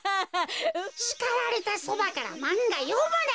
しかられたそばからまんがよむな。